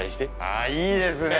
あいいですね。